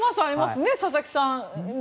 佐々木さん。